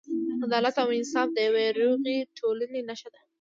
عدالت او انصاف د یوې روغې ټولنې نښه ده.